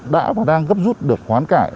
đã và đang gấp rút được khoán cải